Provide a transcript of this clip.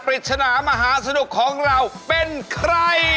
ปริศนามหาสนุกของเราเป็นใคร